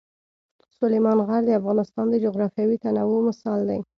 سلیمان غر د افغانستان د جغرافیوي تنوع مثال دی.